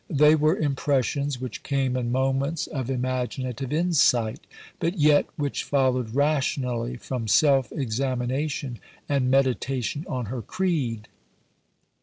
They were impressions which came in moments of imaginative insight, but yet which followed rationally from self examination and meditation on her creed.